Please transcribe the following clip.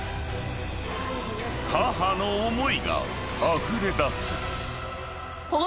［母の思いがあふれだす］